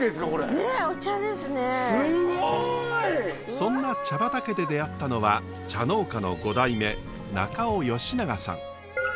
そんな茶畑で出会ったのは茶農家の５代目中尾義永さん。